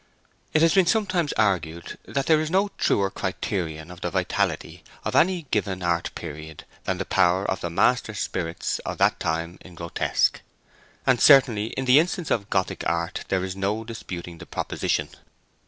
It has been sometimes argued that there is no truer criterion of the vitality of any given art period than the power of the master spirits of that time in grotesque; and certainly in the instance of Gothic art there is no disputing the proposition.